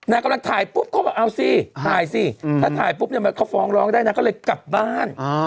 กำลังถ่ายปุ๊บเขาบอกเอาสิถ่ายสิถ้าถ่ายปุ๊บเนี่ยเขาฟ้องร้องได้นางก็เลยกลับบ้าน